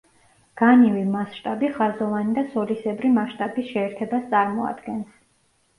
განივი მასშტაბი ხაზოვანი და სოლისებრი მასშტაბის შეერთებას წარმოადგენს.